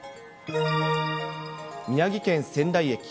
宮城県仙台駅。